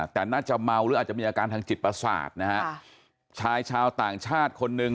แต่น่าจะเมาหรืออาจจะมีอาการทางจิตประสาทนะฮะชายชาวต่างชาติคนหนึ่ง